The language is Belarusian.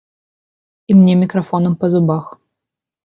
І мне мікрафонам па зубах.